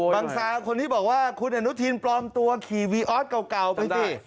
บังซาคนที่บอกว่าคุณอนุทินปลอมตัวขี่วีออสเก่าไปสิ